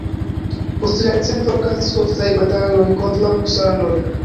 Post jarcento okazis oftaj bataloj kontraŭ husanoj.